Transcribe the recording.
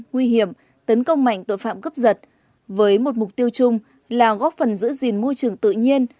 nguy hiểm tấn công mạnh tội phạm cướp giật với một mục tiêu chung là góp phần giữ gìn môi trường tự nhiên